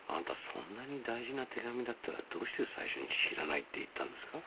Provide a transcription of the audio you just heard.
そんなに大事な手紙だったらどうして最初に知らないって言ったんですか？